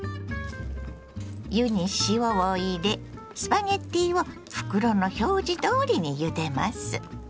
湯に塩を入れスパゲッティを袋の表示どおりにゆでます。